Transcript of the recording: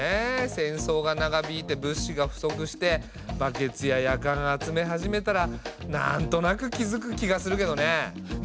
戦争が長引いて物資が不足してバケツやヤカン集め始めたらなんとなく気づく気がするけどね。